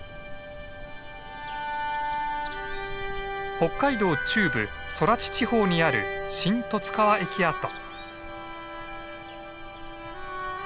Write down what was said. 北海道中部空知地方にある新十津川駅跡。